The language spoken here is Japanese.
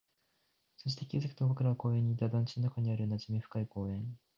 そして、気づくと僕らは公園にいた、団地の中にある馴染み深い公園